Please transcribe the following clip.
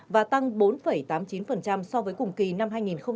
và tăng bốn tám mươi chín so với cùng kỳ năm hai nghìn hai mươi hai